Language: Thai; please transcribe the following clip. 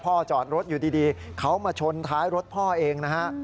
จอดรถอยู่ดีเขามาชนท้ายรถพ่อเองนะฮะ